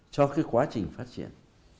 cho cái quá trình phát triển